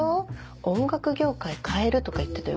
「音楽業界変える」とか言ってたよ？